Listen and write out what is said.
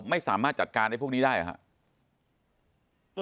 ไม่สามารถจัดการให้พวกนี้ได้ครับ